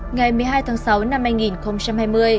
ngày một mươi hai tháng sáu năm hai nghìn hai mươi